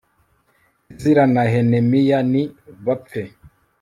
ezira na nehemiya ni bapfe